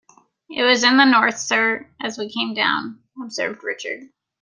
"It was in the north, sir, as we came down," observed Richard.